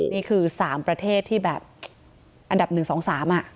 นี่คือ๓ประเทศที่แบบอันดับ๑๒๓อ่ะ